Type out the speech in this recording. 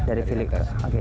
dari filipin oke